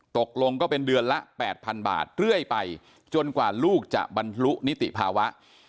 ตกลงก็เป็นเดือนละ๘๐๐๐บาทเรื่อยไปจนกว่าลูกจะบรรลุนิติภาวะ